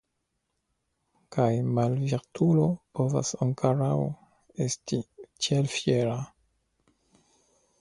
Kaj malvirtulo povas ankoraŭ esti tiel fiera!